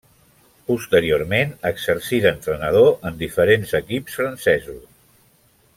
Posteriorment exercí d'entrenador en diferents equips francesos.